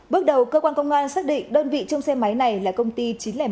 bước đầu cơ quan công an xác định đơn vị trong xe máy này là công ty chín trăm linh một